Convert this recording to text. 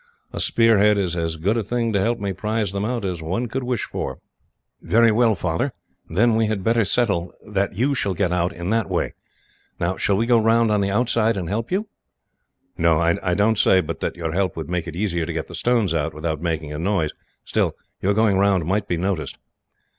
A spear head is as good a thing, to help me prize them out, as one could wish for." "Very well, Father. Then we had better settle that you shall get out in that way. Now, shall we go round on the outside, and help you?" "No; I don't say but that your help would make it easier to get the stones out, without making a noise. Still, your going round might be noticed."